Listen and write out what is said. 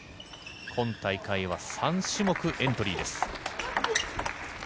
今大会は３種目エントリーです。